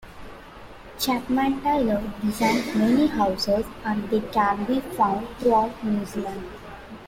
Chapman-Taylor designed many houses and they can be found throughout New Zealand.